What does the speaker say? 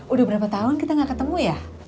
udah berapa tahun kita gak ketemu ya